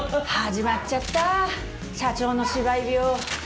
始まっちゃった社長の芝居病。